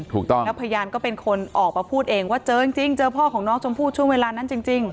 ถูกต้องแล้วพยานก็เป็นคนออกมาพูดเองว่าเจอจริงเจอพ่อของน้องชมพู่ช่วงเวลานั้นจริง